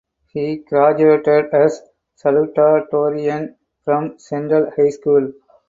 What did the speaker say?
He graduated as salutatorian from Central High School.